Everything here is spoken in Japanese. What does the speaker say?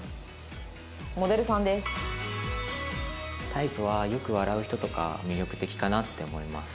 タイプはよく笑う人とか魅力的かなって思います。